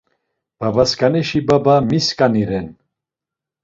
Babaskanişi baba mi skani ren?